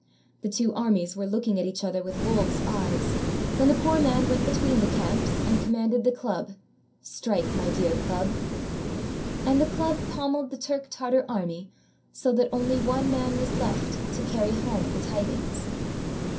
The two armies were looking at each other with wolves' eyes, when the poor man went between the camps and com manded the club! "Strike, my dear club." And the club pommeled the Turk Tartar army so that only one man was left to carry home the tidings.